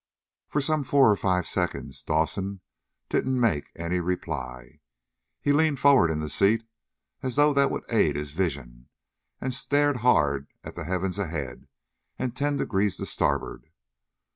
For some four or five seconds Dawson didn't make any reply. He leaned forward in the seat, as though that would aid his vision, and stared hard at the heavens ahead and ten degrees to starboard.